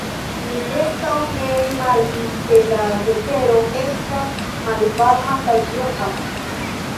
Li preskaŭ ne rimarkis, ke la vetero estas malvarma kaj pluva.